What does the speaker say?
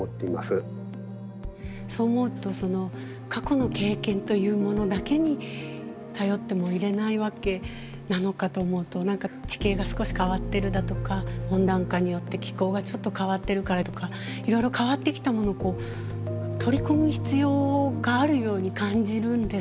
そう思うと過去の経験というものだけに頼ってもいれないわけなのかと思うと何か地形が少し変わってるだとか温暖化によって気候がちょっと変わってるからとかいろいろ変わってきたものを取り込む必要があるように感じるんですけれど。